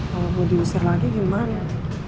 kalau mau diusir lagi gimana